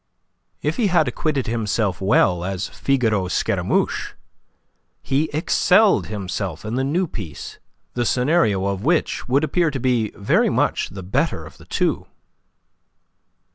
If he had acquitted himself well as Figaro Scaramouche, he excelled himself in the new piece, the scenario of which would appear to be very much the better of the two.